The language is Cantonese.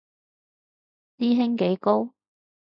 師兄幾高